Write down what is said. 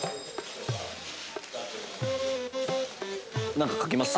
何か書きます？